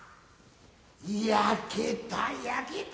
焼けた焼けた。